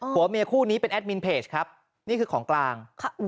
หัวเมียคู่นี้เป็นแอดมินเพจครับนี่คือของกลาง